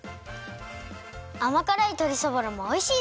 あまからいとりそぼろもおいしいです！